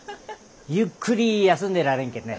ゆっくり休んでられんけんね。